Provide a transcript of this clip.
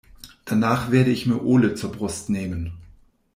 Danach werde ich mir Ole zur Brust nehmen.